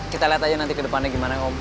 kita lihat aja nanti ke depannya gimana om